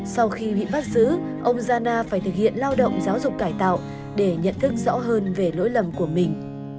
sau khi bị bắt giữ ông giàna phải thực hiện lao động giáo dục cải tạo để nhận thức rõ hơn về lỗi lầm của mình